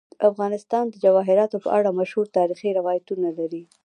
افغانستان د جواهرات په اړه مشهور تاریخی روایتونه لري.